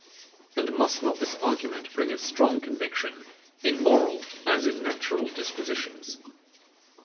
And must not this argument bring as strong conviction, in moral as in natural disquisitions?